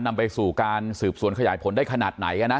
นำไปสู่การสืบสวนขยายผลได้ขนาดไหนนะ